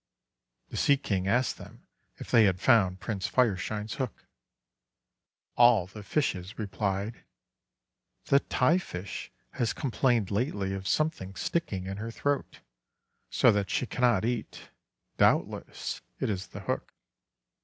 The Sea King asked them if they had found Prince Fireshine's hook. All the fishes replied :— 'The Tai Fish has complained lately of some thing sticking in her throat, so that she cannot eat. Doubtless it is the hook."